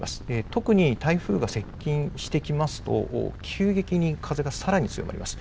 特に、台風が接近してきますと、急激に風がさらに強まります。